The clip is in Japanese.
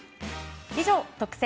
以上、特選！！